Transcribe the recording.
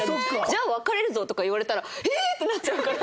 「じゃあ別れるぞ！」とか言われたら「ひえ！？」ってなっちゃうから。